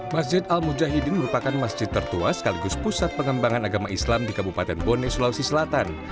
masjid al mujahidin merupakan masjid tertua sekaligus pusat pengembangan agama islam di kabupaten bone sulawesi selatan